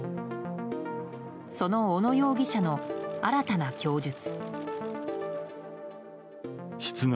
その小野容疑者の新たな供述。